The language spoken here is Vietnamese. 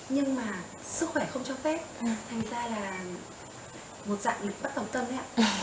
nhưng mà sức khỏe không cho phép thành ra là một dạng bất tổng tâm ạ